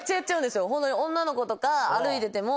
女の子とか歩いてても。